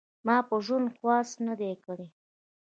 ما په ژوند خواست نه دی کړی .